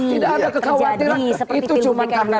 tidak ada kekhawatiran itu cuma karena